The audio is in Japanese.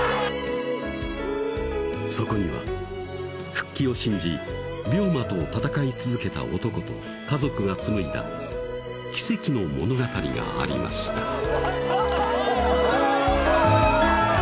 そこには復帰を信じ病魔と闘い続けた男と家族が紡いだ奇跡の物語がありました